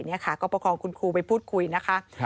นี่ค่ะก็ประคองคุณครูไปพูดคุยนะคะ